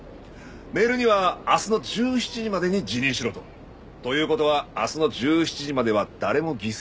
メールには明日の１７時までに辞任しろと。という事は明日の１７時までは誰も犠牲にならない。